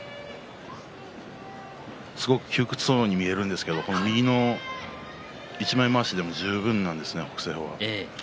すごく窮屈そうに見えるんですけれども右の一枚まわしでも十分なんですね、北青鵬は。